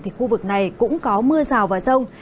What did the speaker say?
thì khu vực này cũng có mưa rào và rông